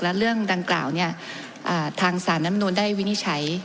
และเรื่องดังกล่าวเนี่ยทางสารรัฐมนุนได้วินิจฉัย